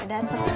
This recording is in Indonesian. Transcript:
ya udah tuh